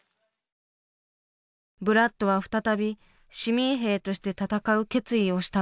ブラッドは再び市民兵として戦う決意をしたのです。